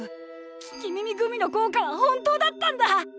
聞き耳グミの効果は本当だったんだ！